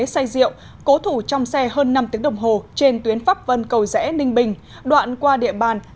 xã liên ninh huyện thanh trì hà nội